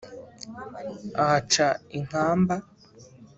ahaca inkamba.